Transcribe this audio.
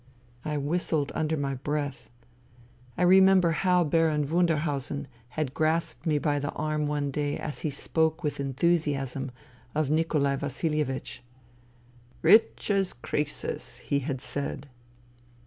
I whistled under my breath. I remember how Baron Wunderhausen had grasped me by the arm one day as he spoke with enthusiasm of Nikolai Vasilievich, " Rich as Croesus," he had said.